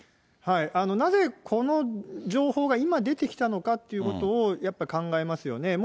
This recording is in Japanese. なぜこの情報が今出てきたのかということを、やっぱ考えますよね。